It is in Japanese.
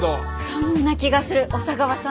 そんな気がする小佐川さんなら。